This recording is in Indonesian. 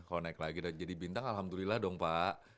kalau naik lagi jadi bintang alhamdulillah dong pak